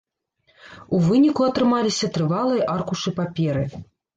У выніку атрымаліся трывалыя аркушы паперы.